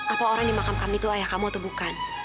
apa orang di makam kami itu ayah kamu atau bukan